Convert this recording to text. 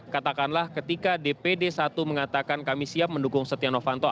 katakanlah ketika dpd satu mengatakan kami siap mendukung setia novanto